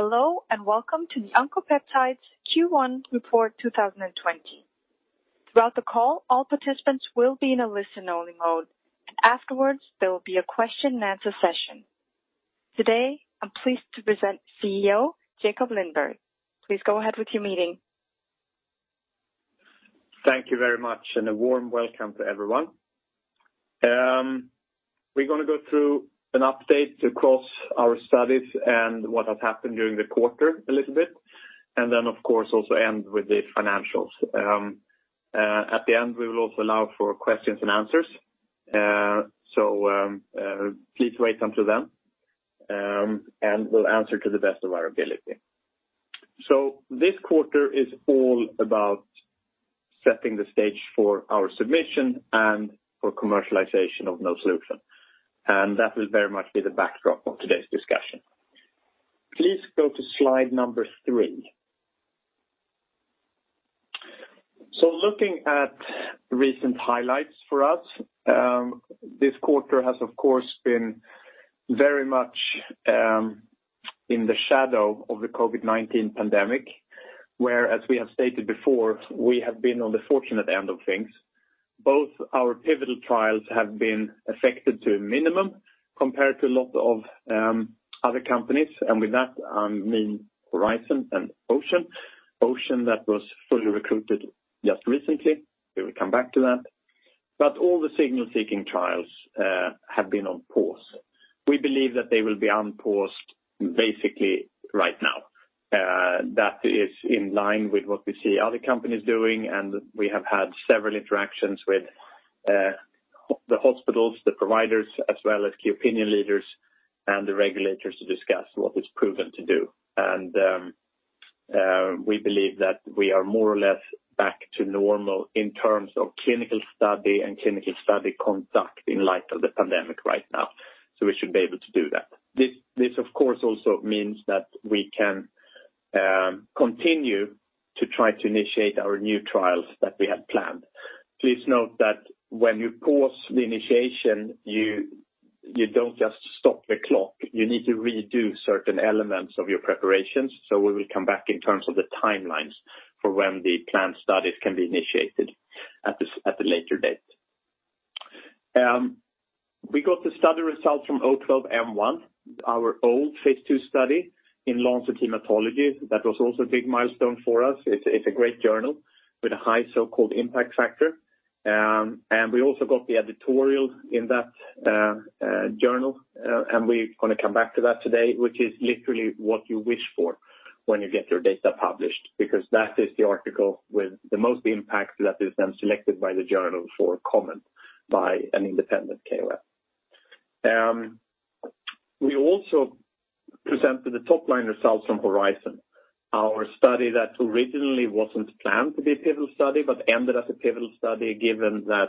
Hello, and welcome to Oncopeptides Q1 report 2020. Throughout the call, all participants will be in a listen-only mode. Afterwards, there will be a question and answer session. Today, I'm pleased to present CEO Jakob Lindberg. Please go ahead with your meeting. Thank you very much, and a warm welcome to everyone. We're going to go through an update across our studies and what has happened during the quarter a little bit, and then, of course, also end with the financials. At the end, we will also allow for questions and answers. Please wait until then, and we'll answer to the best of our ability. This quarter is all about setting the stage for our submission and for commercialization of melflufen. That will very much be the backdrop of today's discussion. Please go to slide number three. Looking at recent highlights for us, this quarter has, of course, been very much in the shadow of the COVID-19 pandemic, where, as we have stated before, we have been on the fortunate end of things. Both our pivotal trials have been affected to a minimum compared to a lot of other companies, and with that, I mean HORIZON and OCEAN. OCEAN that was fully recruited just recently. We will come back to that. All the signal-seeking trials have been on pause. We believe that they will be unpaused basically right now. That is in line with what we see other companies doing, and we have had several interactions with the hospitals, the providers, as well as key opinion leaders and the regulators to discuss what it's proven to do. We believe that we are more or less back to normal in terms of clinical study and clinical study conduct in light of the pandemic right now. We should be able to do that. This, of course, also means that we can continue to try to initiate our new trials that we had planned. Please note that when you pause the initiation, you don't just stop the clock. We need to redo certain elements of your preparations. We will come back in terms of the timelines for when the planned studies can be initiated at a later date. We got the study results from O-12-M1, our old phase II study in The Lancet Haematology. That was also a big milestone for us. It's a great journal with a high so-called impact factor. We also got the editorial in that journal, and we're going to come back to that today, which is literally what you wish for when you get your data published because that is the article with the most impact that is then selected by the journal for comment by an independent KOL. We also presented the top-line results from HORIZON, our study that originally wasn't planned to be a pivotal study but ended as a pivotal study given that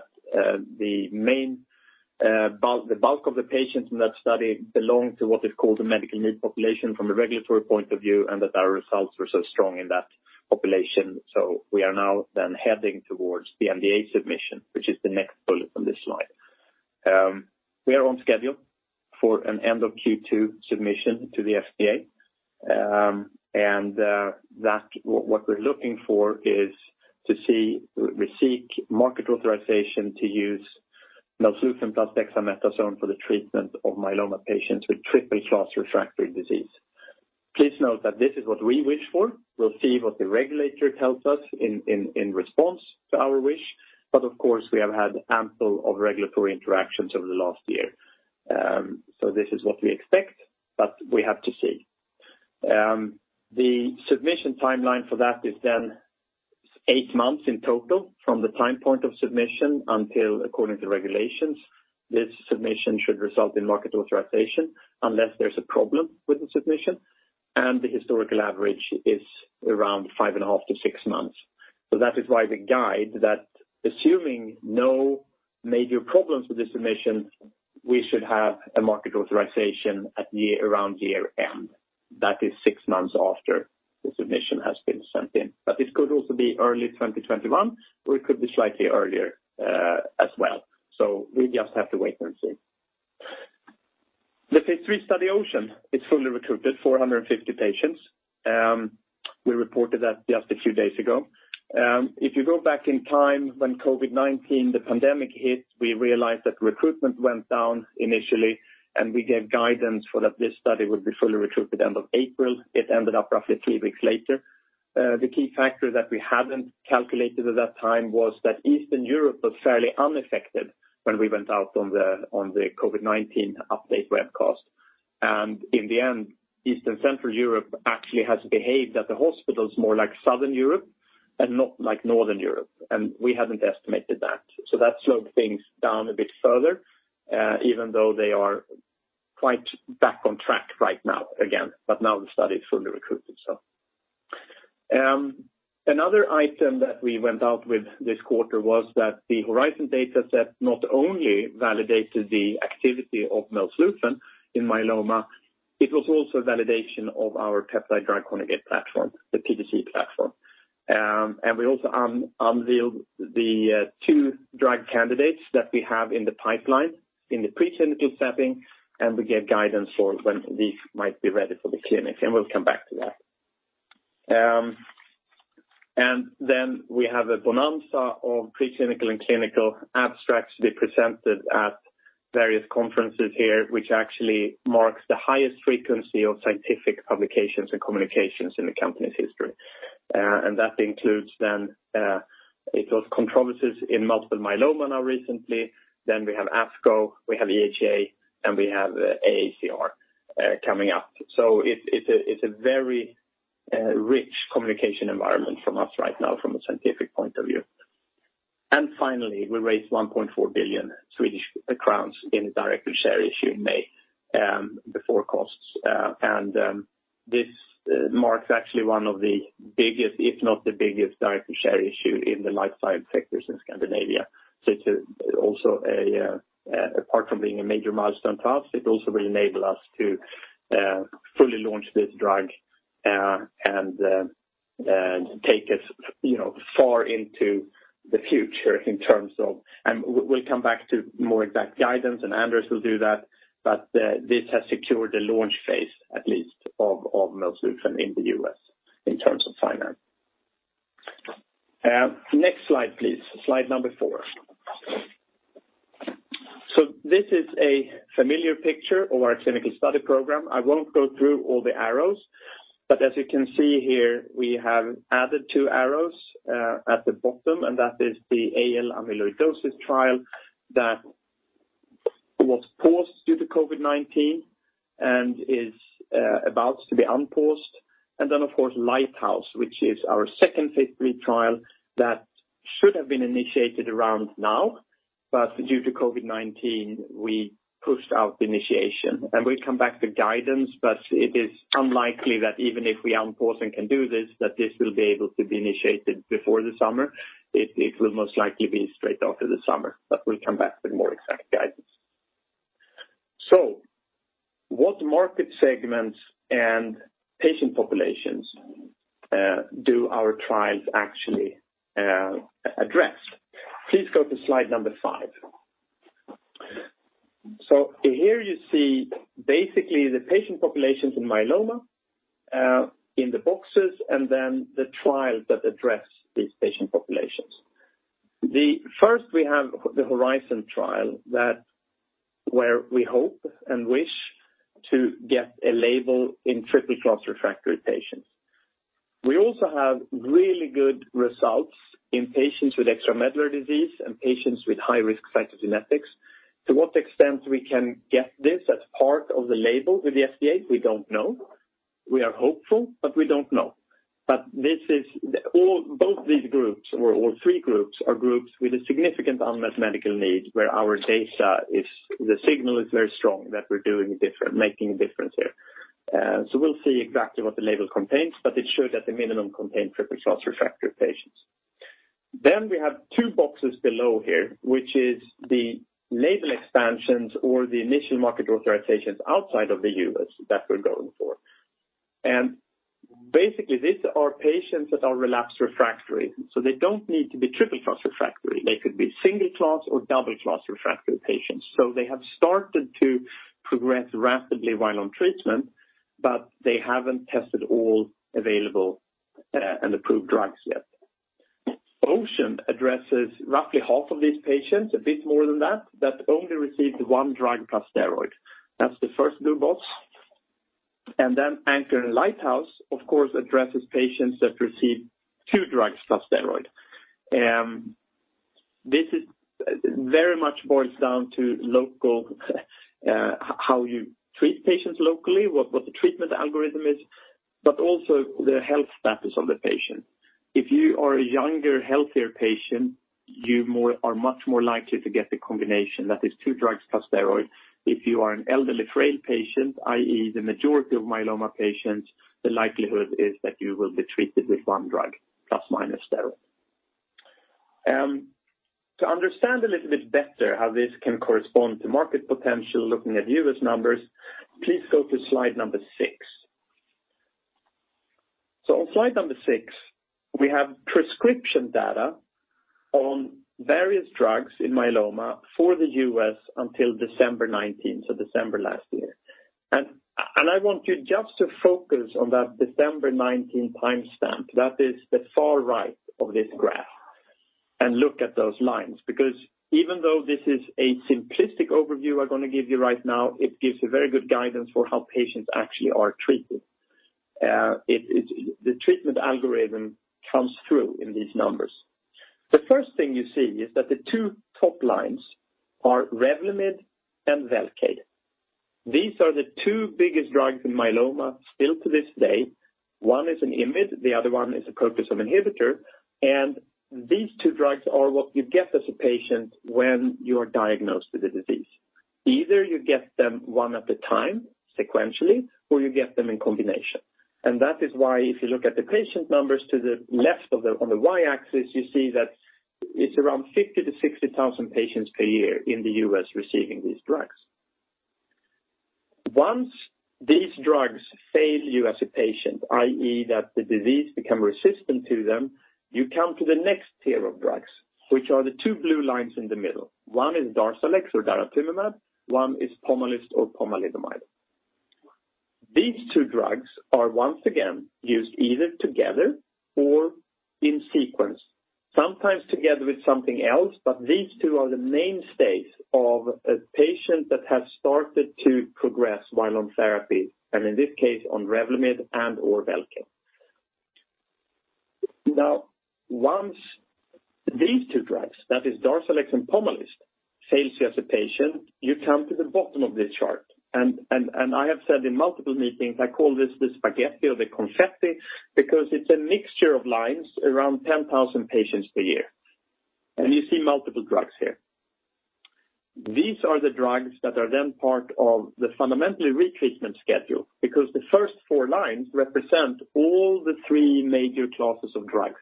the bulk of the patients in that study belong to what is called a medical need population from a regulatory point of view, and that our results were so strong in that population. We are now heading towards the NDA submission, which is the next bullet on this slide. We are on schedule for an end of Q2 submission to the FDA. What we're looking for is to seek market authorization to use melflufen plus dexamethasone for the treatment of myeloma patients with triple-class refractory disease. Please note that this is what we wish for. We'll see what the regulator tells us in response to our wish. Of course, we have had ample regulatory interactions over the last year. This is what we expect, but we have to see. The submission timeline for that is then eight months in total from the time point of submission until according to regulations. This submission should result in market authorization unless there's a problem with the submission, and the historical average is around 5.5 to six months. That is why the guide that assuming no major problems with the submission, we should have a market authorization at around year-end. Six months after the submission has been sent in. This could also be early 2021, or it could be slightly earlier as well. We just have to wait and see. The phase III study OCEAN is fully recruited 450 patients. We reported that just a few days ago. If you go back in time when COVID-19, the pandemic hit, we realized that recruitment went down initially, and we gave guidance for that this study would be fully recruited end of April. It ended up roughly three weeks later. The key factor that we hadn't calculated at that time was that Eastern Europe was fairly unaffected when we went out on the COVID-19 update webcast. In the end, Eastern Central Europe actually has behaved at the hospitals more like Southern Europe and not like Northern Europe, and we hadn't estimated that. That slowed things down a bit further, even though they are quite back on track right now again, but now the study is fully recruited. Another item that we went out with this quarter was that the HORIZON data set not only validated the activity of melflufen in myeloma, it was also a validation of our peptide-drug conjugate platform, the PDC platform. We also unveiled the two drug candidates that we have in the pipeline in the preclinical setting, and we gave guidance for when these might be ready for the clinic, and we'll come back to that. We have a bonanza of preclinical and clinical abstracts to be presented at various conferences here, which actually marks the highest frequency of scientific publications and communications in the company's history. That includes it was Controversies in Multiple Myeloma recently, we have ASCO, we have EHA, and we have AACR coming up. It's a very rich communication environment from us right now from a scientific point of view. Finally, we raised 1.4 billion Swedish crowns in a directed share issue in May, before costs. This marks actually one of the biggest, if not the biggest, direct share issue in the life science sectors in Scandinavia. It's also, apart from being a major milestone for us, it also will enable us to fully launch this drug and take us far into the future in terms of We'll come back to more exact guidance, and Anders will do that. This has secured the launch phase, at least of melflufen in the U.S. in terms of finance. Next slide, please. Slide number four. This is a familiar picture of our clinical study program. I won't go through all the arrows, but as you can see here, we have added two arrows at the bottom, and that is the AL amyloidosis trial that was paused due to COVID-19 and is about to be unpaused. Then, of course, LIGHTHOUSE, which is our second phase III trial that should have been initiated around now, but due to COVID-19, we pushed out the initiation. We'll come back to guidance, but it is unlikely that even if we unpause and can do this, that this will be able to be initiated before the summer. It will most likely be straight after the summer, but we'll come back with more exact guidance. What market segments and patient populations do our trials actually address? Please go to slide number five. Here you see basically the patient populations in myeloma in the boxes and then the trials that address these patient populations. First, we have the HORIZON trial where we hope and wish to get a label in triple-class refractory patients. We also have really good results in patients with extramedullary disease and patients with high-risk cytogenetics. To what extent we can get this as part of the label with the FDA, we don't know. We are hopeful, but we don't know. Both these groups, or all three groups, are groups with a significant unmet medical need where our data is the signal is very strong that we're making a difference here. We'll see exactly what the label contains, but it should at the minimum contain triple-class refractory patients. We have two boxes below here, which is the label expansions or the initial market authorizations outside of the U.S. that we're going for. Basically, these are patients that are relapsed refractory. They don't need to be triple-class refractory. They could be single-class or double-class refractory patients. They have started to progress rapidly while on treatment, but they haven't tested all available and approved drugs yet. OCEAN addresses roughly half of these patients, a bit more than that only received one drug plus steroid. That's the first blue box. ANCHOR and LIGHTHOUSE, of course, addresses patients that receive two drugs plus steroid. This very much boils down to how you treat patients locally, what the treatment algorithm is, but also the health status of the patient. If you are a younger, healthier patient, you are much more likely to get the combination. That is two drugs plus steroid. If you are an elderly, frail patient, i.e., the majority of myeloma patients, the likelihood is that you will be treated with one drug plus minus steroid. To understand a little bit better how this can correspond to market potential, looking at U.S. numbers, please go to slide number six. On slide number six, we have prescription data on various drugs in myeloma for the U.S. until December 19, so December last year. I want you just to focus on that December 19 timestamp. That is the far right of this graph. Look at those lines, because even though this is a simplistic overview I'm going to give you right now, it gives a very good guidance for how patients actually are treated. The treatment algorithm comes through in these numbers. The first thing you see is that the two top lines are REVLIMID and VELCADE. These are the two biggest drugs in myeloma still to this day. One is an IMiD, the other one is a proteasome inhibitor. These two drugs are what you get as a patient when you're diagnosed with the disease. Either you get them one at a time sequentially, or you get them in combination. That is why if you look at the patient numbers to the left on the Y-axis, you see that it's around 50,000 to 60,000 patients per year in the U.S. receiving these drugs. Once these drugs fail you as a patient, i.e., that the disease become resistant to them, you come to the next tier of drugs, which are the two blue lines in the middle. One is DARZALEX or daratumumab, one is POMALYST or pomalidomide. These two drugs are, once again, used either together or in sequence, sometimes together with something else, but these two are the mainstays of a patient that has started to progress while on therapy, and in this case, on REVLIMID and/or VELCADE. Once these two drugs, that is DARZALEX and POMALYST, fails you as a patient, you come to the bottom of this chart. I have said in multiple meetings, I call this the spaghetti or the confetti because it's a mixture of lines, around 10,000 patients per year. You see multiple drugs here. These are the drugs that are then part of the fundamentally retreatment schedule, because the first four lines represent all the three major classes of drugs,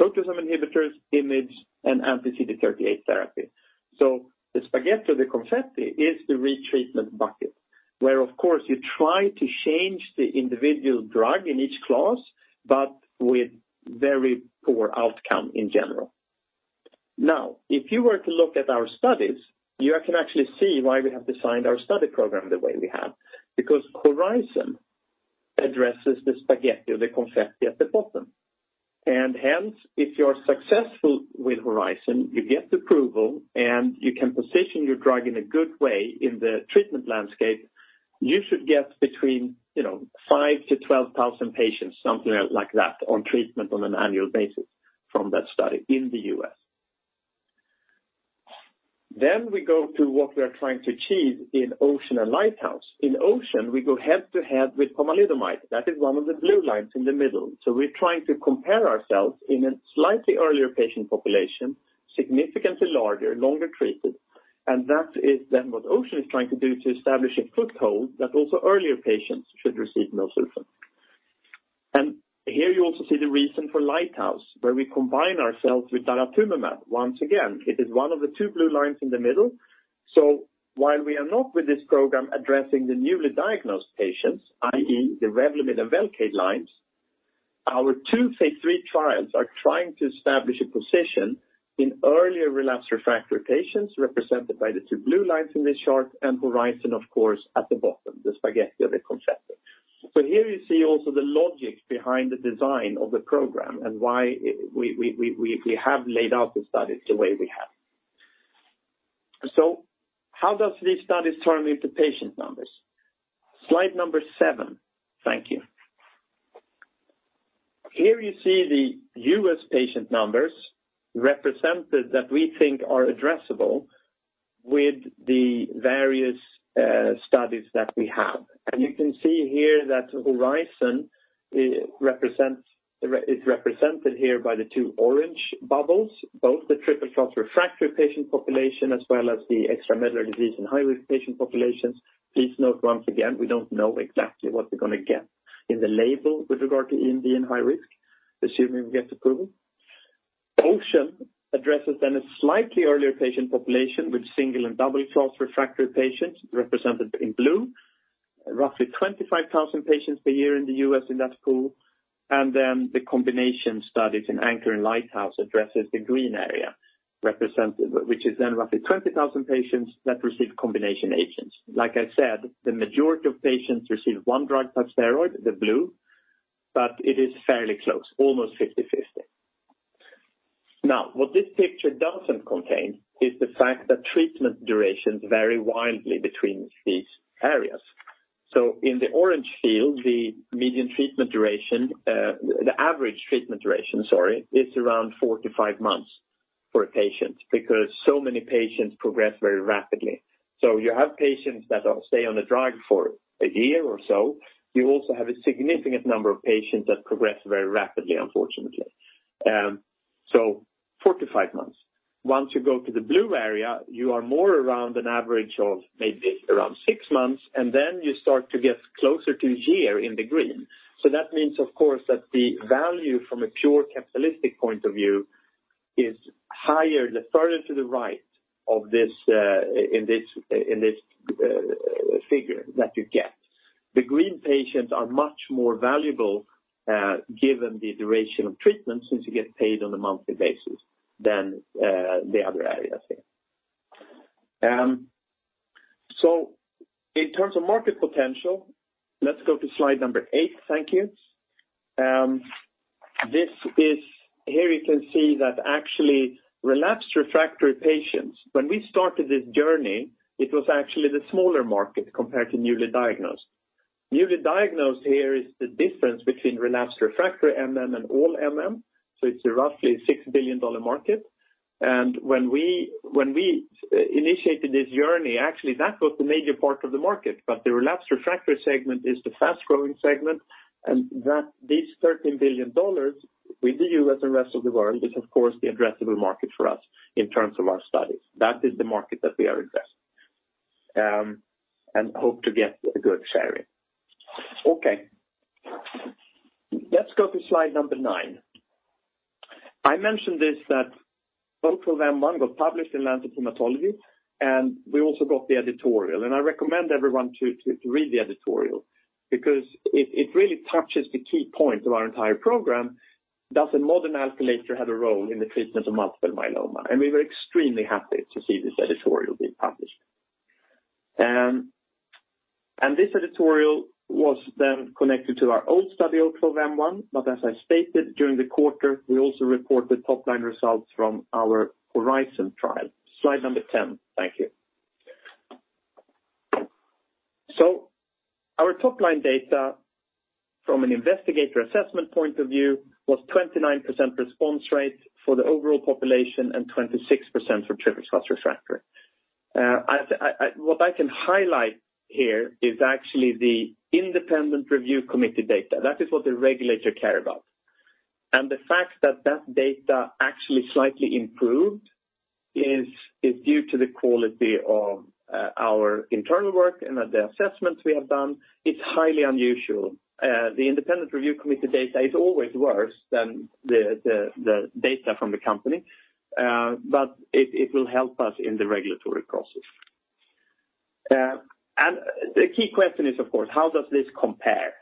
proteasome inhibitors, IMiDs, and anti-CD38 therapy. The spaghetti or the confetti is the retreatment bucket, where, of course, you try to change the individual drug in each class, but with very poor outcome in general. If you were to look at our studies, you can actually see why we have designed our study program the way we have, because HORIZON addresses the spaghetti or the confetti at the bottom. If you're successful with HORIZON, you get approval, and you can position your drug in a good way in the treatment landscape. You should get between 5,000 to 12,000 patients, something like that, on treatment on an annual basis from that study in the U.S. We go to what we are trying to achieve in OCEAN and LIGHTHOUSE. In OCEAN, we go head-to-head with pomalidomide. That is one of the blue lines in the middle. We are trying to compare ourselves in a slightly earlier patient population, significantly larger, longer treated. That is what OCEAN is trying to do to establish a foothold that also earlier patients should receive melflufen. Here you also see the reason for LIGHTHOUSE, where we combine ourselves with daratumumab. Once again, it is one of the two blue lines in the middle. While we are not with this program addressing the newly diagnosed patients, i.e., the REVLIMID and VELCADE lines, our two phase III trials are trying to establish a position in earlier relapsed refractory patients represented by the two blue lines in this chart, and HORIZON, of course, at the bottom, the spaghetti or the confetti. Here you see also the logic behind the design of the program and why we have laid out the studies the way we have. How does these studies turn into patient numbers? Slide seven. Thank you. Here you see the U.S. patient numbers represented that we think are addressable with the various studies that we have. You can see here that HORIZON is represented here by the two orange bubbles, both the triple-class-refractory patient population as well as the extramedullary disease and high-risk patient populations. Please note once again, we don't know exactly what we're going to get in the label with regard to EMD and high-risk, assuming we get approval. OCEAN addresses a slightly earlier patient population with single and double-class-refractory patients represented in blue, roughly 25,000 patients per year in the U.S. in that pool. The combination studies in ANCHOR and LIGHTHOUSE addresses the green area, which is roughly 20,000 patients that receive combination agents. Like I said, the majority of patients receive one drug plus steroid, the blue, but it is fairly close, almost 50/50. What this picture doesn't contain is the fact that treatment durations vary wildly between these areas. In the orange field, the average treatment duration is around four to five months for a patient because so many patients progress very rapidly. You have patients that stay on the drug for a year or so. You also have a significant number of patients that progress very rapidly, unfortunately. Four to five months. Once you go to the blue area, you are more around an average of maybe around six months, then you start to get closer to a year in the green. That means, of course, that the value from a pure capitalistic point of view is higher the further to the right in this figure that you get. The green patients are much more valuable given the duration of treatment since you get paid on a monthly basis than the other areas here. In terms of market potential, let's go to slide number eight. Thank you. Here you can see that actually relapsed/refractory patients, when we started this journey, it was actually the smaller market compared to newly diagnosed. Newly diagnosed here is the difference between relapsed/refractory MM and all MM, it's a roughly SEK 6 billion market. When we initiated this journey, actually, that was the major part of the market. The relapsed refractory segment is the fast-growing segment, and that this $13 billion with the U.S. and rest of the world is, of course, the addressable market for us in terms of our studies. That is the market that we are addressing and hope to get a good share in. Let's go to slide nine. I mentioned this, that O-12-M1 got published in "The Lancet Haematology", and we also got the editorial. I recommend everyone to read the editorial because it really touches the key point of our entire program, does a modern alkylator have a role in the treatment of multiple myeloma? We were extremely happy to see this editorial being published. This editorial was then connected to our old study, O-12-M1, as I stated during the quarter, we also report the top-line results from our HORIZON trial. Slide number 10, thank you. Our top-line data from an investigator assessment point of view was 29% response rate for the overall population and 26% for triple-class refractory. What I can highlight here is actually the independent review committee data. That is what the regulators care about. The fact that that data actually slightly improved is due to the quality of our internal work and the assessments we have done. It's highly unusual. The independent review committee data is always worse than the data from the company, but it will help us in the regulatory process. The key question is, of course, how does this compare?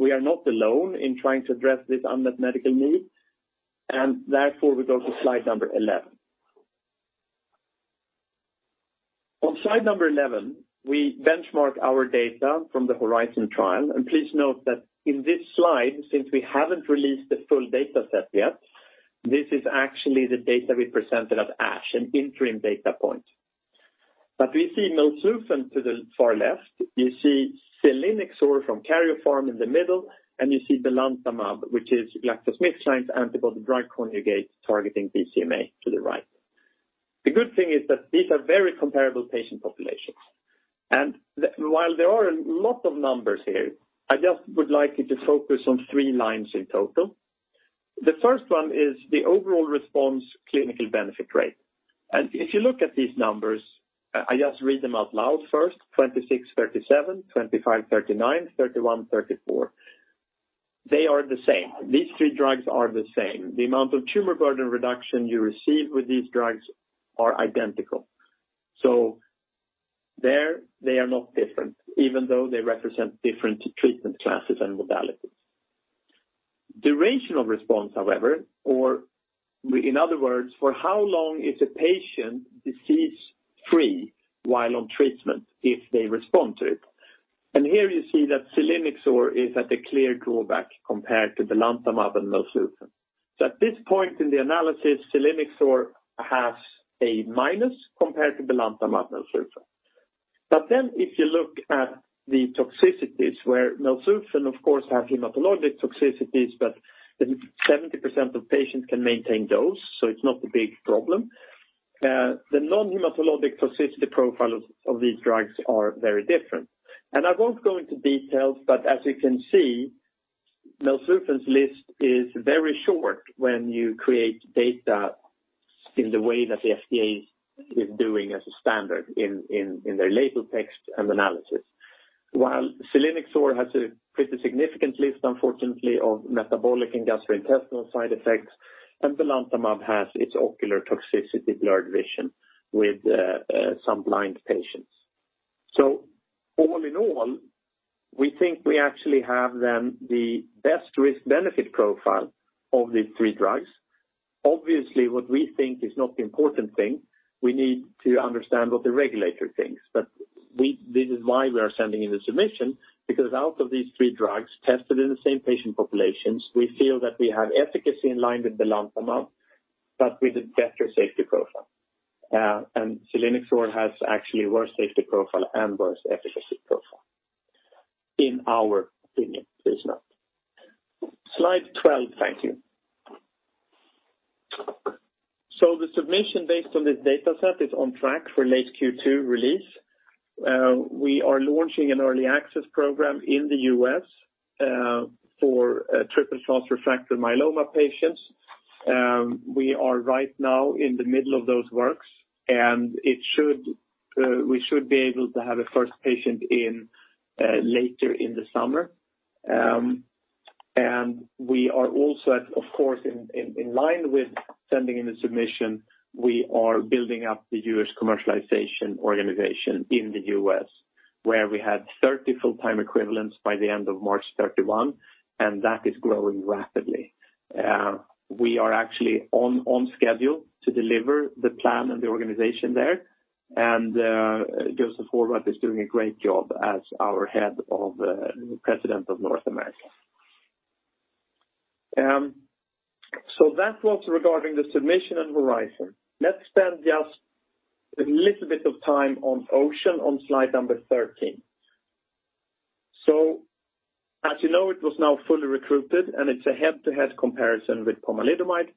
We are not alone in trying to address this unmet medical need, and therefore, we go to slide number 11. On slide number 11, we benchmark our data from the HORIZON trial. Please note that in this slide, since we haven't released the full data set yet, this is actually the data we presented at ASH, an interim data point. We see melphalan to the far left, you see selinexor from Karyopharm in the middle, and you see belantamab, which is GlaxoSmithKline's antibody drug conjugate targeting BCMA to the right. The good thing is that these are very comparable patient populations. While there are a lot of numbers here, I just would like you to focus on three lines in total. The first one is the overall response clinical benefit rate. If you look at these numbers, I just read them out loud first, 26/37, 25/39, 31/34. They are the same. These three drugs are the same. The amount of tumor burden reduction you receive with these drugs are identical. There they are not different, even though they represent different treatment classes and modalities. Duration of response, however, or in other words, for how long is a patient disease-free while on treatment if they respond to it? Here you see that selinexor is at a clear drawback compared to belantamab and melphalan. At this point in the analysis, selinexor has a minus compared to belantamab and melphalan. If you look at the toxicities where melphalan, of course, have hematologic toxicities, but 70% of patients can maintain dose, so it's not a big problem. The non-hematologic toxicity profile of these drugs are very different. I won't go into details, but as you can see, melphalan's list is very short when you create data in the way that the FDA is doing as a standard in their label text and analysis. While selinexor has a pretty significant list, unfortunately, of metabolic and gastrointestinal side effects, and belantamab has its ocular toxicity, blurred vision with some blind patients. All in all, we think we actually have then the best risk-benefit profile of the three drugs. Obviously, what we think is not the important thing. We need to understand what the regulator thinks. This is why we are sending in the submission, because out of these three drugs tested in the same patient populations, we feel that we have efficacy in line with belantamab, but with a better safety profile. selinexor has actually worse safety profile and worse efficacy profile in our opinion, please note. Slide 12, thank you. The submission based on this data set is on track for late Q2 release. We are launching an early access program in the U.S. for triple-class refractory myeloma patients. We are right now in the middle of those works. We should be able to have a first patient in later in the summer. We are also, of course, in line with sending in the submission. We are building up the U.S. commercialization organization in the U.S., where we had 30 full-time equivalents by the end of March 31, and that is growing rapidly. We are actually on schedule to deliver the plan and the organization there, and Joseph Horvat is doing a great job as our head of President of North America. That was regarding the submission and HORIZON. Let's spend just a little bit of time on OCEAN on slide number 13. As you know, it was now fully recruited, and it's a head-to-head comparison with pomalidomide,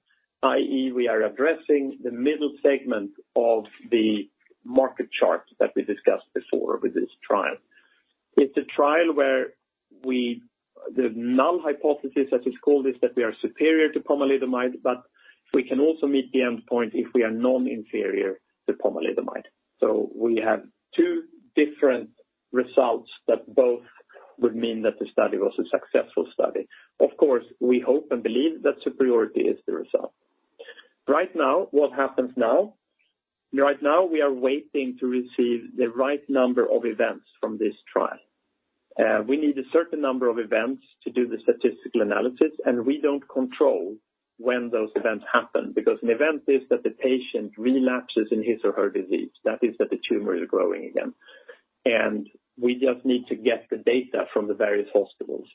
i.e., we are addressing the middle segment of the market chart that we discussed before with this trial. It's a trial where the null hypothesis, as it's called, is that we are superior to pomalidomide, but we can also meet the endpoint if we are non-inferior to pomalidomide. We have two different results that both would mean that the study was a successful study. Of course, we hope and believe that superiority is the result. Right now, what happens now? Right now, we are waiting to receive the right number of events from this trial. We need a certain number of events to do the statistical analysis, and we don't control when those events happen, because an event is that the patient relapses in his or her disease. That is that the tumor is growing again. We just need to get the data from the various hospitals.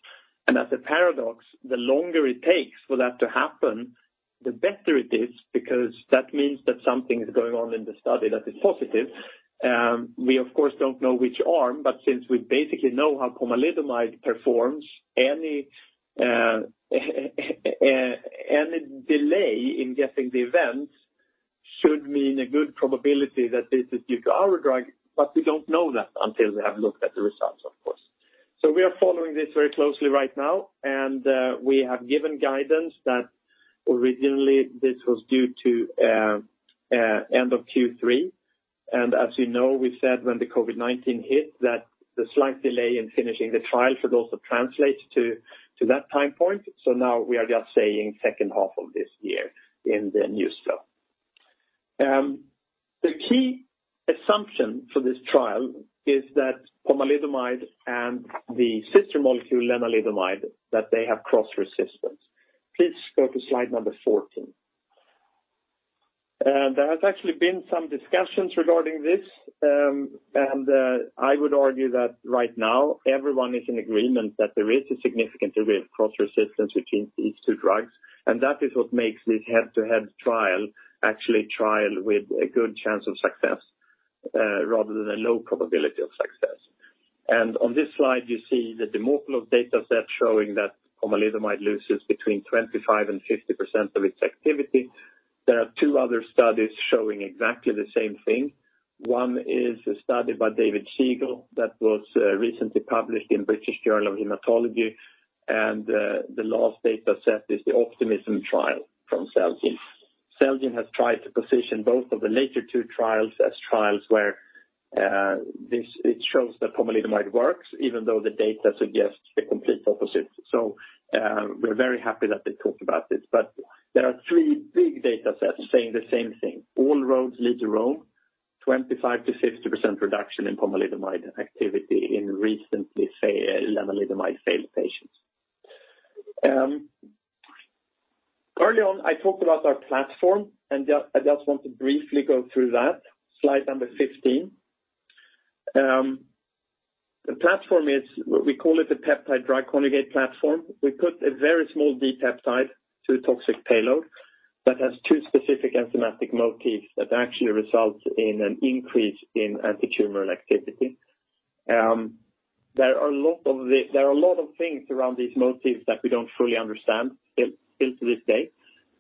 As a paradox, the longer it takes for that to happen, the better it is, because that means that something is going on in the study that is positive. We, of course, don't know which arm, but since we basically know how pomalidomide performs, any delay in getting the events should mean a good probability that this is due to our drug, but we don't know that until we have looked at the results, of course. We are following this very closely right now, and we have given guidance that originally this was due to end of Q3. As you know, we said when the COVID-19 hit that the slight delay in finishing the trial should also translate to that time point. Now we are just saying second half of this year in the new stuff. The key assumption for this trial is that pomalidomide and the sister molecule, lenalidomide, that they have cross-resistance. Please go to slide number 14. There has actually been some discussions regarding this, and I would argue that right now everyone is in agreement that there is a significant degree of cross-resistance between these two drugs, and that is what makes this head-to-head trial actually trial with a good chance of success rather than a low probability of success. On this slide, you see the Dimopoulos data set showing that pomalidomide loses between 25% and 50% of its activity. There are two other studies showing exactly the same thing. One is a study by David Siegel that was recently published in British Journal of Haematology. The last data set is the OPTIMISMM trial from Celgene. Celgene has tried to position both of the later two trials as trials where it shows that pomalidomide works, even though the data suggests the complete opposite. We're very happy that they talked about this. There are three big data sets saying the same thing. All roads lead to Rome, 25%-50% reduction in pomalidomide activity in recently lenalidomide failed patients. Early on, I talked about our platform. I just want to briefly go through that. Slide number 15. The platform is what we call it the peptide-drug conjugate platform. We put a very small dipeptide to a toxic payload that has two specific enzymatic motifs that actually result in an increase in antitumor activity. There are a lot of things around these motifs that we don't fully understand still to this day,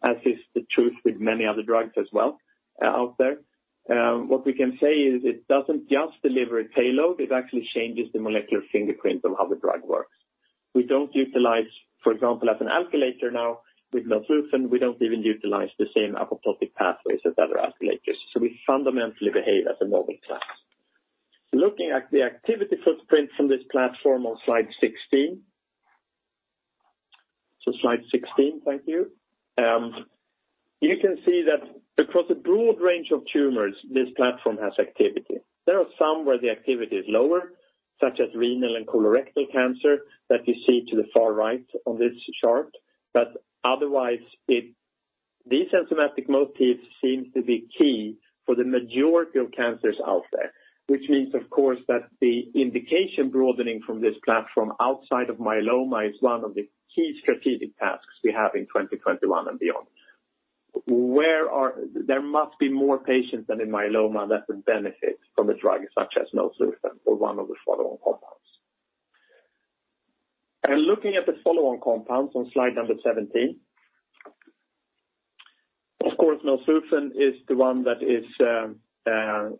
as is the truth with many other drugs as well out there. What we can say is it doesn't just deliver a payload, it actually changes the molecular fingerprint of how the drug works. We don't utilize, for example, as an alkylator now with melflufen, we don't even utilize the same apoptotic pathways as other alkylators. We fundamentally behave as a novel class. Looking at the activity footprint from this platform on slide 16. Slide 16, thank you. You can see that across a broad range of tumors, this platform has activity. There are some where the activity is lower, such as renal and colorectal cancer that you see to the far right on this chart. Otherwise, these enzymatic motifs seem to be key for the majority of cancers out there, which means, of course, that the indication broadening from this platform outside of myeloma is one of the key strategic tasks we have in 2021 and beyond. There must be more patients than in myeloma that would benefit from a drug such as melflufen or one of the follow-on compounds. Looking at the follow-on compounds on slide number 17. Of course, melflufen is the one that is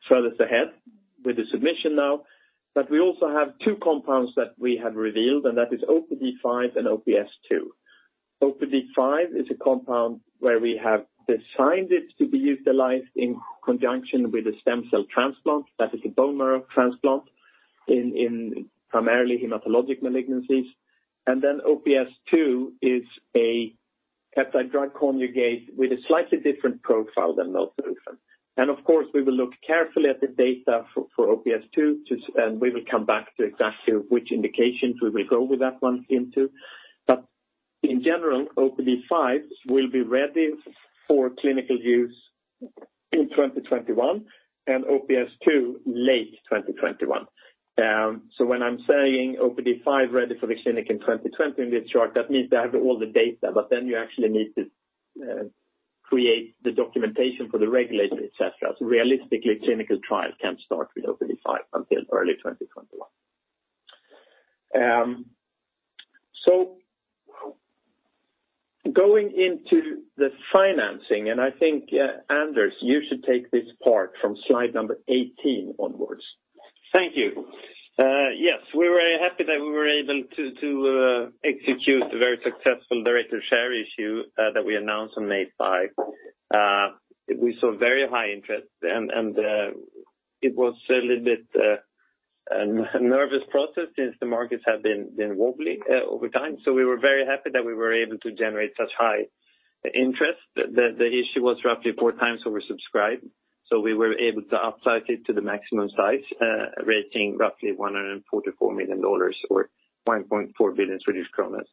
furthest ahead with the submission now. We also have two compounds that we have revealed, and that is OPD5 and OP-502. OPD5 is a compound where we have designed it to be utilized in conjunction with a stem cell transplant, that is a bone marrow transplant in primarily hematologic malignancies. OP-502 is a peptide-drug conjugate with a slightly different profile than melflufen. Of course, we will look carefully at the data for OP-502, and we will come back to exactly which indications we will go with that one into. In general, OPD5 will be ready for clinical use in 2021 and OP-502 late 2021. When I'm saying OPD5 ready for the clinic in 2020 in this chart, that means they have all the data, but then you actually need to create the documentation for the regulators, et cetera. Realistically, clinical trial can't start with OPD5 until early 2021. Going into the financing, and I think, Anders, you should take this part from slide number 18 onwards. Thank you. Yes, we were very happy that we were able to execute the very successful director share issue that we announced on May 5. We saw very high interest, and it was a little bit a nervous process since the markets have been wobbly over time. We were very happy that we were able to generate such high interest. The issue was roughly 4x oversubscribed, so we were able to upsize it to the maximum size, raising roughly $144 million or 1.4 billion Swedish kronor.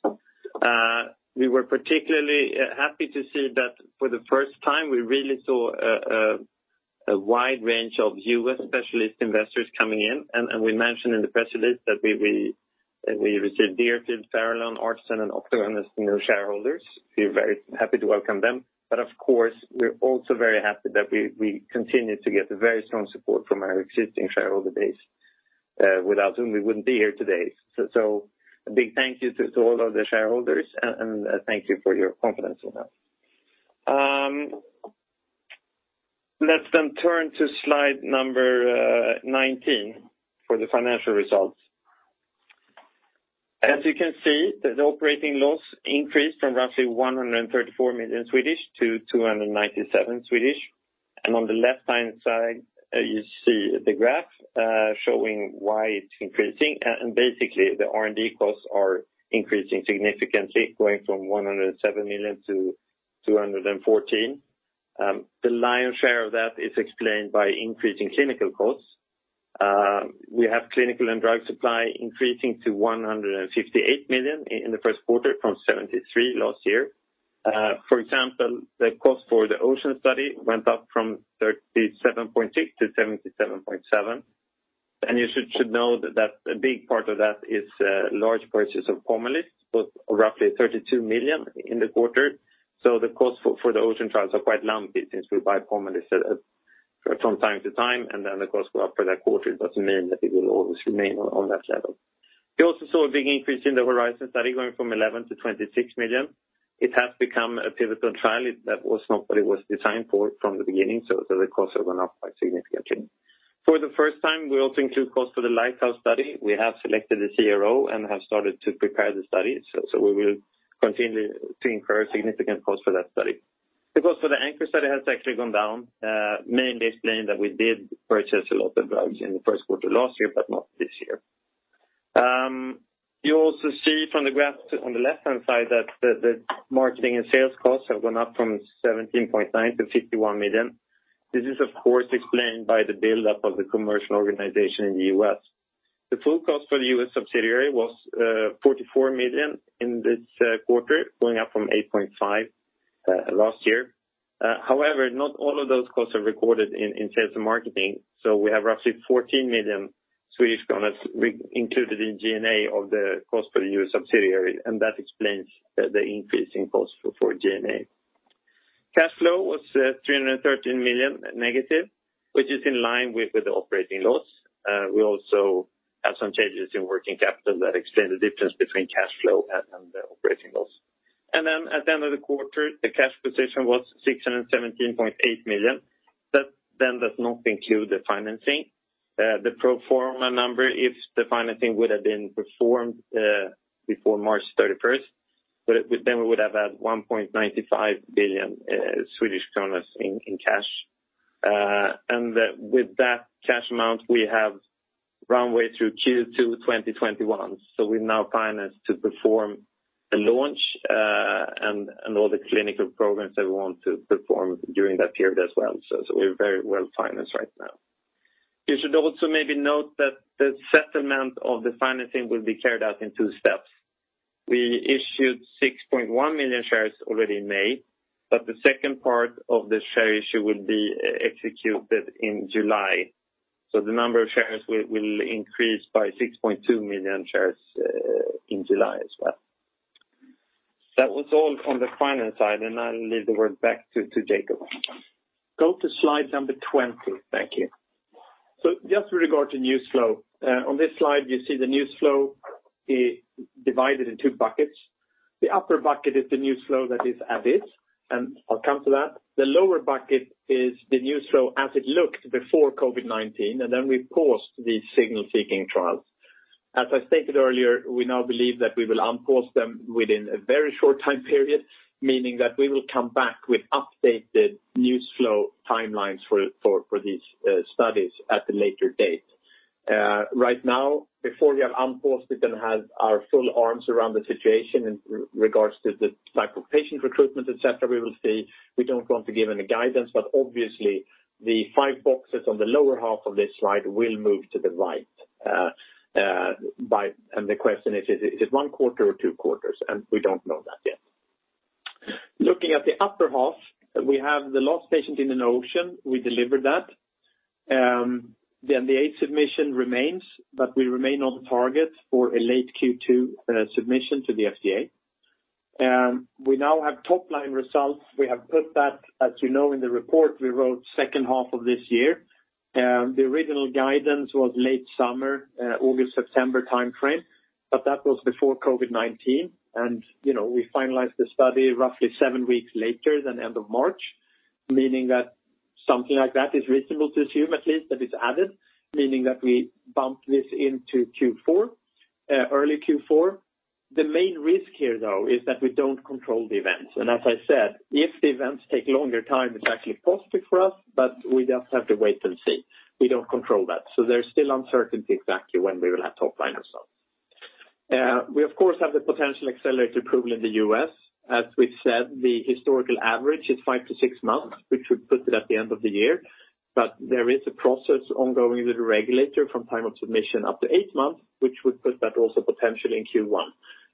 We were particularly happy to see that for the first time, we really saw a wide range of U.S. specialist investors coming in, and we mentioned in the press release that we received Deerfield, Farallon, Artisan, and Octagon as new shareholders. We are very happy to welcome them. Of course, we're also very happy that we continue to get very strong support from our existing shareholder base, without whom we wouldn't be here today. A big thank you to all of the shareholders, and thank you for your confidence in us. Let's turn to slide number 19 for the financial results. As you can see, the operating loss increased from roughly 134 million to 297 million. On the left-hand side, you see the graph showing why it's increasing. Basically, the R&D costs are increasing significantly, going from 107 million to 214 million. The lion's share of that is explained by increasing clinical costs. We have clinical and drug supply increasing to 158 million in the first quarter from 73 million last year. For example, the cost for the OCEAN study went up from 37.6 million to 77.7 million. You should know that a big part of that is a large purchase of POMALYST, roughly 32 million in the quarter. The cost for the OCEAN trials are quite lumpy since we buy POMALYST from time to time, and then the costs go up for that quarter. It doesn't mean that it will always remain on that level. We also saw a big increase in the HORIZON study going from 11 million to 26 million. It has become a pivotal trial. That was not what it was designed for from the beginning, so the costs have gone up quite significantly. For the first time, we also include costs for the LIGHTHOUSE study. We have selected a CRO and have started to prepare the study. We will continue to incur significant costs for that study. The cost for the ANCHOR study has actually gone down, mainly explained that we did purchase a lot of drugs in the first quarter last year, but not this year. You also see from the graph on the left-hand side that the marketing and sales costs have gone up from 17.9 million to 51 million. This is, of course, explained by the buildup of the commercial organization in the U.S. The full cost for the U.S. subsidiary was 44 million in this quarter, going up from 8.5 million last year. Not all of those costs are recorded in sales and marketing, so we have roughly 14 million Swedish kronor included in G&A of the cost per U.S. subsidiary. That explains the increase in cost for G&A. Cash flow was -313 million, which is in line with the operating loss. We also have some changes in working capital that explain the difference between cash flow and the operating loss. At the end of the quarter, the cash position was 617.8 million. That then does not include the financing. The pro forma number, if the financing would have been performed before March 31st, then we would have had 1.95 billion Swedish kronor in cash. With that cash amount, we have runway through Q2 2021. We are now financed to perform a launch and all the clinical programs that we want to perform during that period as well. We are very well-financed right now. You should also maybe note that the settlement of the financing will be carried out in two steps. We issued 6.1 million shares already in May, but the second part of the share issue will be executed in July. The number of shares will increase by 6.2 million shares in July as well. That was all on the finance side, and I'll leave the word back to Jakob. Go to slide number 20. Thank you. Just with regard to news flow, on this slide, you see the news flow divided in two buckets. The upper bucket is the news flow that is added, and I'll come to that. The lower bucket is the news flow as it looked before COVID-19, and then we paused these signal-seeking trials. As I stated earlier, we now believe that we will unpause them within a very short time period, meaning that we will come back with updated news flow timelines for these studies at a later date. Right now, before we have unpaused it and have our full arms around the situation in regards to the type of patient recruitment, et cetera, we will see. We don't want to give any guidance, but obviously the five boxes on the lower half of this slide will move to the right. The question is it one quarter or two quarters? We don't know that yet. Looking at the upper half, we have the last patient in an OCEAN. We delivered that. The NDA submission remains, but we remain on target for a late Q2 submission to the FDA. We now have top-line results. We have put that, as you know, in the report we wrote second half of this year. The original guidance was late summer, August-September timeframe, but that was before COVID-19. We finalized the study roughly seven weeks later than end of March. Meaning that something like that is reasonable to assume at least that it's added, meaning that we bump this into early Q4. The main risk here, though, is that we don't control the events. As I said, if the events take longer time, it's actually positive for us, but we just have to wait and see. We don't control that. There's still uncertainty exactly when we will have top line results. We, of course, have the potential accelerated approval in the U.S. As we've said, the historical average is five to six months, which would put it at the end of the year. There is a process ongoing with the regulator from time of submission up to eight months, which would put that also potentially in Q1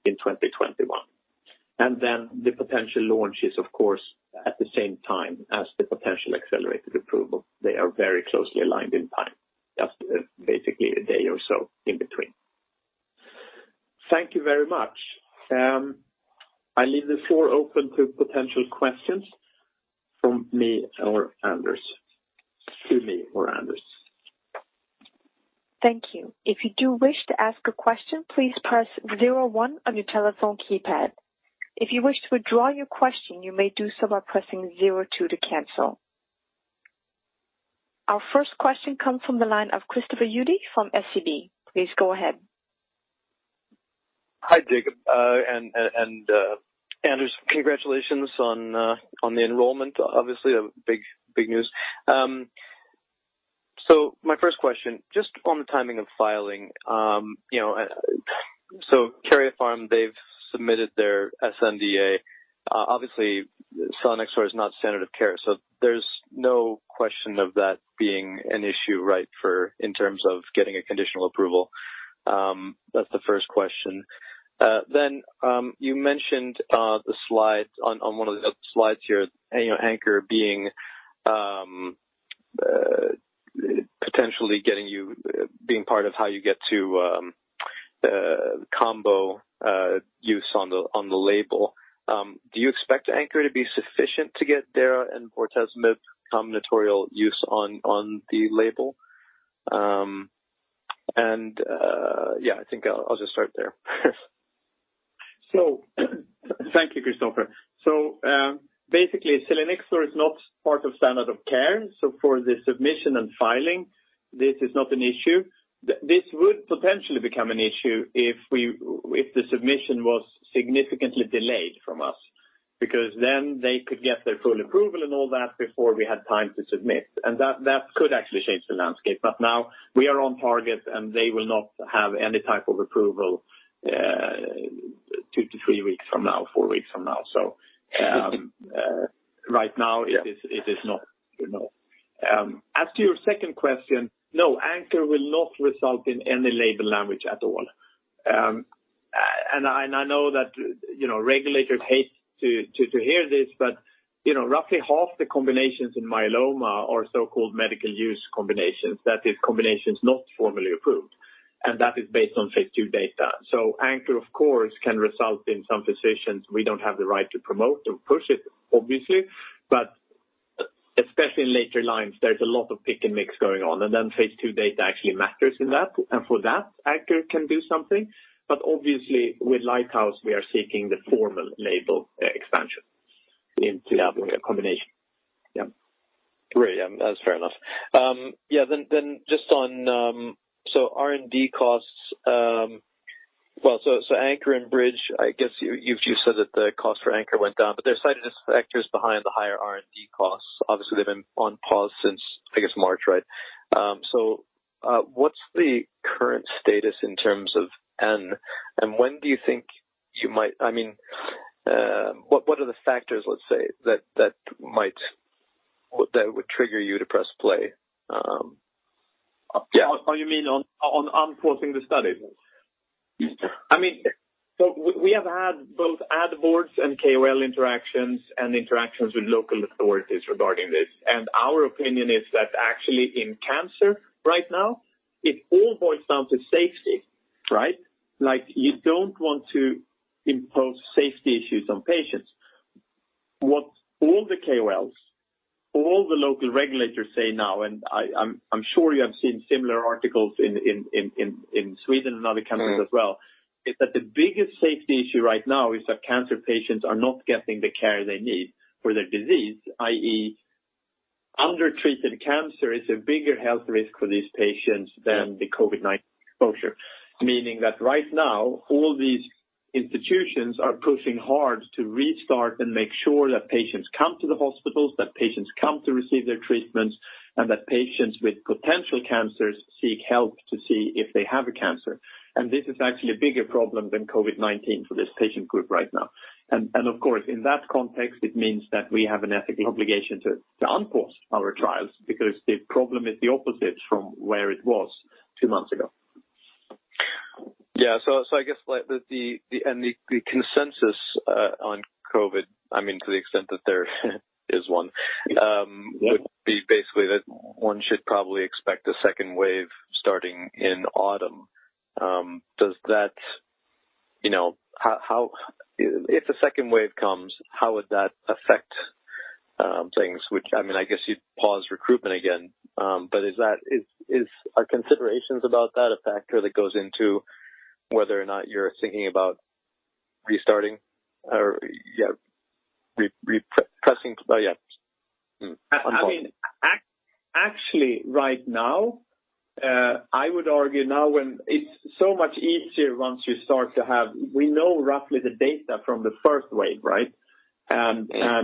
in 2021. The potential launch is, of course, at the same time as the potential accelerated approval. They are very closely aligned in time, just basically a day or so in between. Thank you very much. I leave the floor open to potential questions for me or Anders. Thank you. If you do wish to ask a question, please press zero one on your telephone keypad. If you wish to withdraw your question, you may do so by pressing zero two to cancel. Our first question comes from the line of Christopher Uhde from SEB. Please go ahead. Hi, Jakob and Anders. Congratulations on the enrollment. Obviously a big news. My first question, just on the timing of filing. Karyopharm, they've submitted their sNDA. Obviously, selinexor is not standard of care, there's no question of that being an issue, right, in terms of getting a conditional approval. That's the first question. You mentioned on one of the slides here, ANCHOR being part of how you get to combo use on the label. Do you expect ANCHOR to be sufficient to get Dara and bortezomib combinatorial use on the label? Yeah, I think I'll just start there. Thank you, Christopher. Basically, selinexor is not part of standard of care. For the submission and filing, this is not an issue. This would potentially become an issue if the submission was significantly delayed from us, because then they could get their full approval and all that before we had time to submit, and that could actually change the landscape. Now we are on target, and they will not have any type of approval two to three weeks from now, four weeks from now. Right now it is not. As to your second question, no, ANCHOR will not result in any label language at all. I know that regulators hate to hear this, but roughly half the combinations in myeloma are so-called medical use combinations. That is, combinations not formally approved, and that is based on phase II data. ANCHOR, of course, can result in some physicians. We don't have the right to promote or push it, obviously, but especially in later lines, there's a lot of pick and mix going on. Then phase II data actually matters in that. For that, ANCHOR can do something. Obviously with LIGHTHOUSE, we are seeking the formal label expansion into that combination. Great. That's fair enough. Just on R&D costs. ANCHOR and BRIDGE, I guess you said that the cost for ANCHOR went down, but they're cited as factors behind the higher R&D costs. Obviously, they've been on pause since, I guess, March, right? What's the current status in terms of N, and what are the factors, let's say, that would trigger you to press play? Oh, you mean on unpausing the study? Yes. We have had both ad boards and KOL interactions and interactions with local authorities regarding this. Our opinion is that actually in cancer right now, it all boils down to safety, right? Like you don't want to impose safety issues on patients. What all the KOLs, all the local regulators say now, and I'm sure you have seen similar articles in Sweden and other countries as well, is that the biggest safety issue right now is that cancer patients are not getting the care they need for their disease, i.e., undertreated cancer is a bigger health risk for these patients than the COVID-19 exposure. Meaning that right now, all these institutions are pushing hard to restart and make sure that patients come to the hospitals, that patients come to receive their treatments, and that patients with potential cancers seek help to see if they have a cancer. This is actually a bigger problem than COVID-19 for this patient group right now. Of course, in that context, it means that we have an ethical obligation to unpause our trials because the problem is the opposite from where it was two months ago. I guess the consensus on COVID, to the extent that there is one, would be basically that one should probably expect a second wave starting in autumn. If a second wave comes, how would that affect things? Which I guess you'd pause recruitment again, are considerations about that a factor that goes into whether or not you're thinking about restarting or repressing? Actually right now, I would argue now when it's so much easier once you start to have We know roughly the data from the first wave, right? Yeah.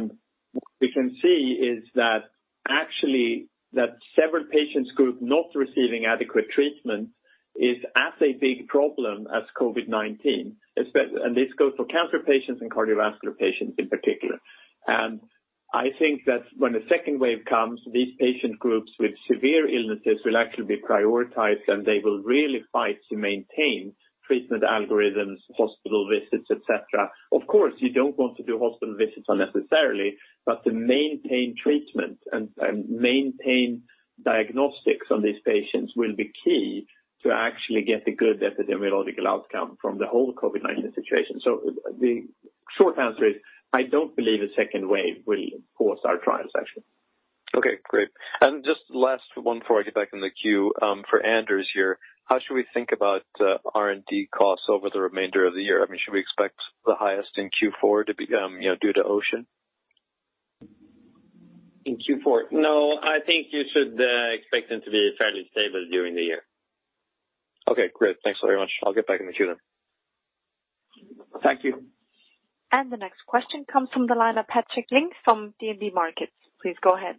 What we can see is that actually that several patients group not receiving adequate treatment is as a big problem as COVID-19, and this goes for cancer patients and cardiovascular patients in particular. I think that when the second wave comes, these patient groups with severe illnesses will actually be prioritized, and they will really fight to maintain treatment algorithms, hospital visits, et cetera. Of course, you don't want to do hospital visits unnecessarily, but to maintain treatment and maintain diagnostics on these patients will be key to actually get a good epidemiological outcome from the whole COVID-19 situation. The short answer is, I don't believe a second wave will force our trials actually. Okay, great. Just last one before I get back in the queue, for Anders here. How should we think about R&D costs over the remainder of the year? Should we expect the highest in Q4 due to OCEAN? In Q4? No, I think you should expect them to be fairly stable during the year. Okay, great. Thanks very much. I'll get back in the queue then. Thank you. The next question comes from the line of Patrik Ling from DNB Markets. Please go ahead.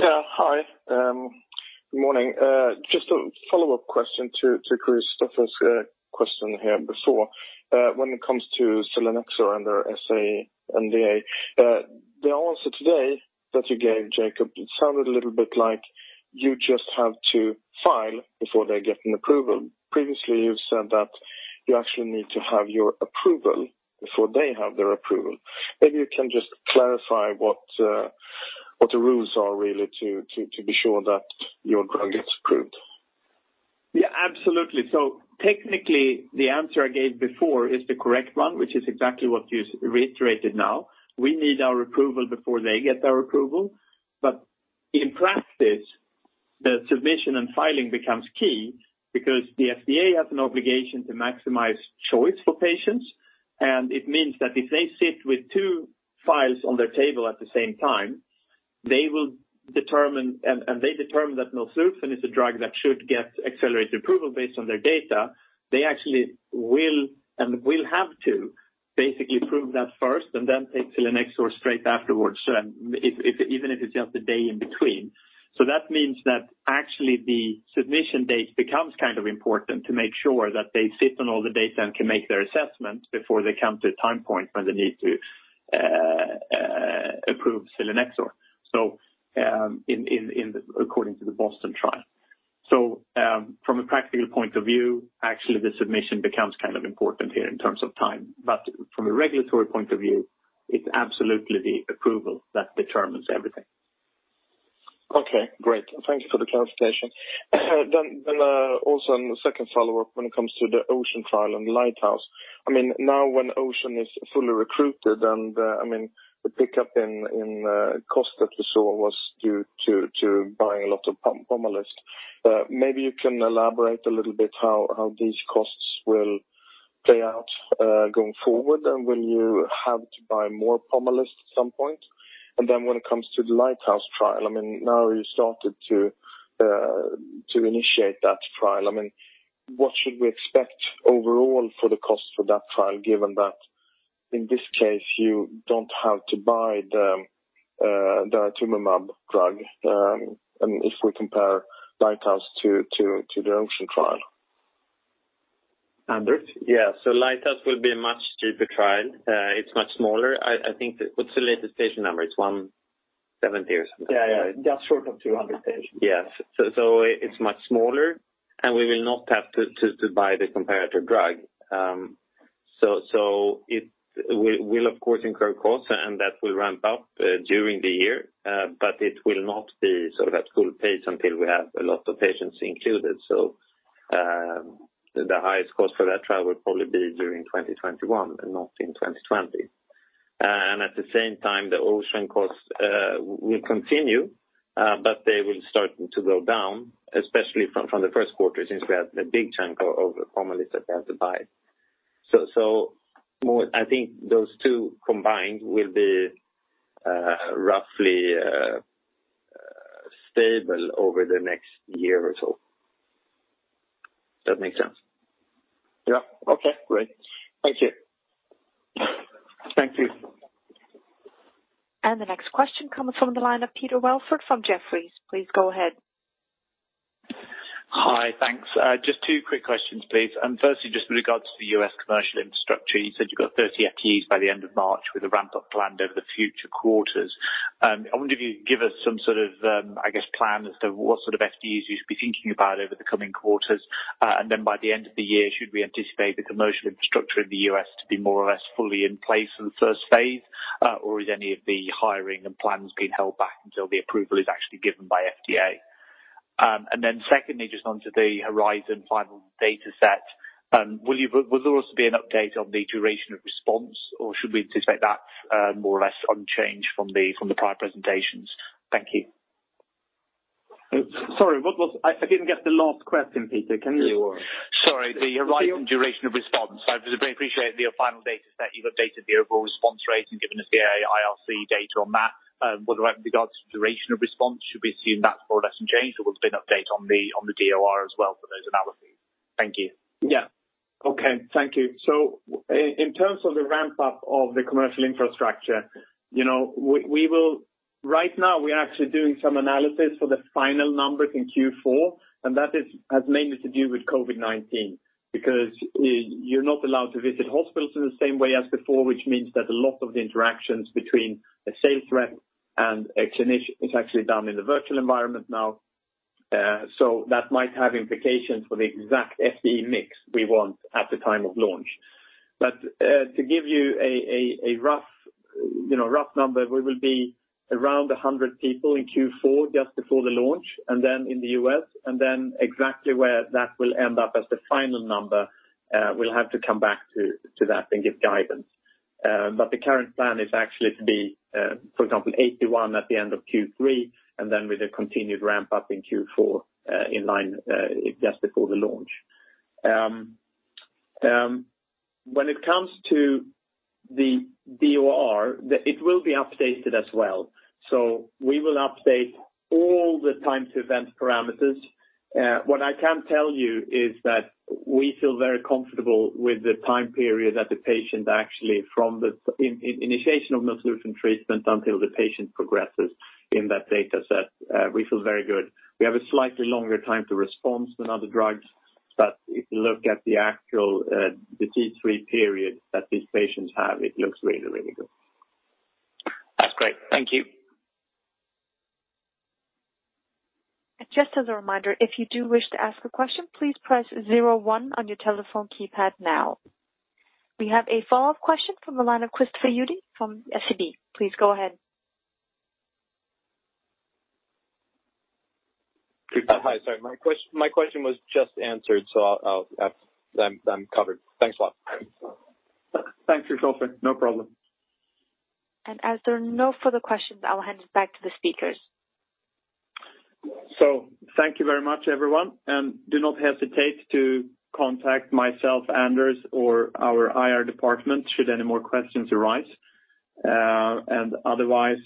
Yeah. Hi. Good morning. Just a follow-up question to Christopher's question here before. When it comes to selinexor and their sNDA. The answer today that you gave, Jakob, it sounded a little bit like you just have to file before they get an approval. Previously, you've said that you actually need to have your approval before they have their approval. Maybe you can just clarify what the rules are really to be sure that your drug gets approved? Yeah, absolutely. Technically, the answer I gave before is the correct one, which is exactly what you reiterated now. We need our approval before they get their approval. In practice, the submission and filing becomes key because the FDA has an obligation to maximize choice for patients. It means that if they sit with two files on their table at the same time, and they determine that melflufen is a drug that should get accelerated approval based on their data, they actually will and will have to basically prove that first and then take selinexor straight afterwards, even if it's just a day in between. That means that actually the submission date becomes kind of important to make sure that they sit on all the data and can make their assessment before they come to a time point where they need to approve selinexor according to the BOSTON trial. From a practical point of view, actually the submission becomes kind of important here in terms of time. From a regulatory point of view, it's absolutely the approval that determines everything. Okay, great. Thank you for the clarification. Also on the second follow-up, when it comes to the OCEAN trial and the LIGHTHOUSE. When OCEAN is fully recruited and the pickup in cost that we saw was due to buying a lot of POMALYST. Maybe you can elaborate a little bit how these costs will play out going forward, and will you have to buy more POMALYST at some point? When it comes to the LIGHTHOUSE trial, now you started to initiate that trial. What should we expect overall for the cost for that trial, given that, in this case, you don't have to buy the daratumumab drug, and if we compare LIGHTHOUSE to the OCEAN trial? Anders? Yeah. LIGHTHOUSE will be a much cheaper trial. It's much smaller. What's the latest patient number? It's 170 or something. Yeah. Just short of 200 patients. Yes. It's much smaller, and we will not have to buy the comparator drug. It will of course incur costs, and that will ramp up during the year. It will not be sort of at full pace until we have a lot of patients included. The highest cost for that trial will probably be during 2021 and not in 2020. At the same time, the OCEAN costs will continue, but they will start to go down, especially from the first quarter since we have a big chunk of POMALYST that we have to buy. I think those two combined will be roughly stable over the next year or so. Does that make sense? Yeah. Okay, great. Thank you. Thanks. The next question comes from the line of Peter Welford from Jefferies. Please go ahead. Hi. Thanks. Just two quick questions, please. Firstly, just with regards to the U.S. commercial infrastructure, you said you've got 30 FTEs by the end of March with a ramp-up planned over the future quarters. I wonder if you could give us some sort of plan as to what sort of FTEs we should be thinking about over the coming quarters. By the end of the year, should we anticipate the commercial infrastructure in the U.S. to be more or less fully in place in the first phase, or is any of the hiring and plans being held back until the approval is actually given by FDA? Secondly, just onto the HORIZON final data set. Will there also be an update on the duration of response, or should we anticipate that more or less unchanged from the prior presentations? Thank you. Sorry, what was I didn't get the last question, Peter. Sure. Sorry, the rate and duration of response. I appreciate your final data set. You've updated the overall response rate and given us the IRC data on that. With regard to duration of response, should we assume that's more or less in change, or will there be an update on the DOR as well for those analyses? Thank you. Yeah. Okay. Thank you. In terms of the ramp-up of the commercial infrastructure, right now we're actually doing some analysis for the final numbers in Q4, and that has mainly to do with COVID-19 because you're not allowed to visit hospitals in the same way as before, which means that a lot of the interactions between a sales rep and a clinician is actually done in the virtual environment now. That might have implications for the exact FTE mix we want at the time of launch. To give you a rough number, we will be around 100 people in Q4 just before the launch, and then in the U.S., and then exactly where that will end up as the final number we'll have to come back to that and give guidance. The current plan is actually to be, for example, 81 at the end of Q3, with a continued ramp-up in Q4 just before the launch. When it comes to the DOR, it will be updated as well. We will update all the time-to-event parameters. What I can tell you is that we feel very comfortable with the time period that the patient actually from the initiation of melflufen treatment until the patient progresses in that data set. We feel very good. We have a slightly longer time to response than other drugs, but if you look at the actual TTT period that these patients have, it looks really, really good. That's great. Thank you. Just as a reminder, if you do wish to ask a question, please press 01 on your telephone keypad now. We have a follow-up question from the line of Christopher Uhde from SEB. Please go ahead. Hi. Sorry. My question was just answered, so I'm covered. Thanks a lot. Thanks, Christopher. No problem. As there are no further questions, I'll hand it back to the speakers. Thank you very much, everyone. Do not hesitate to contact myself, Anders, or our IR department should any more questions arise. Otherwise,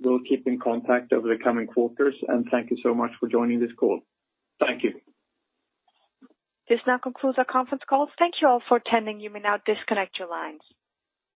we'll keep in contact over the coming quarters, and thank you so much for joining this call. Thank you. This now concludes our conference call. Thank you all for attending. You may now disconnect your lines.